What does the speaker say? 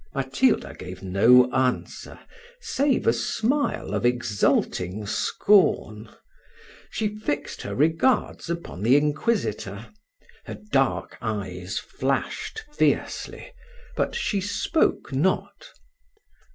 Matilda gave no answer, save a smile of exulting scorn. She fixed her regards upon the inquisitor: her dark eyes flashed fiercely, but she spoke not.